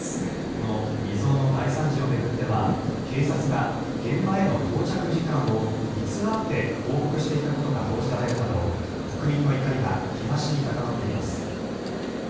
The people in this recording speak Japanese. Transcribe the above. この未曽有の大惨事を巡っては警察が現場への到着時間を偽って報告していたことが報じられるなど国民の怒りが日増しに高まっています。